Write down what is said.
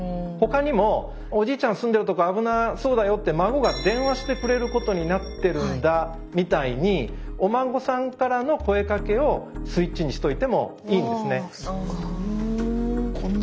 他にも「おじいちゃん住んでるとこ危なそうだよ」って孫が電話してくれることになってるんだみたいにお孫さんからの声かけをスイッチにしといてもいいんですね。